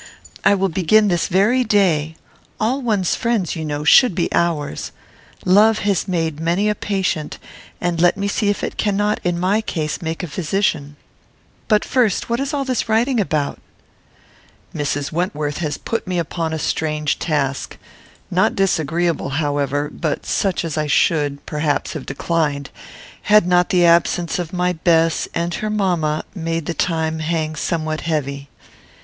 I will begin this very day. All one's friends, you know, should be ours. Love has made many a patient, and let me see if it cannot, in my case, make a physician. But, first, what is all this writing about?" "Mrs. Wentworth has put me upon a strange task, not disagreeable, however, but such as I should, perhaps, have declined, had not the absence of my Bess, and her mamma, made the time hang somewhat heavy.